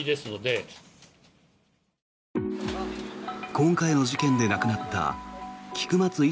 今回の事件で亡くなった菊松１